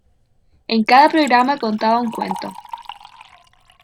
En cada programa contaba un cuento.